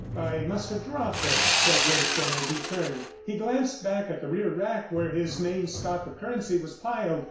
"I must have dropped them," said Winston as he turned. He glanced back at the rear rack where his main stock of currency was piled.